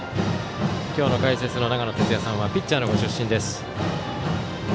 今日の解説の長野哲也さんはピッチャーのご出身です。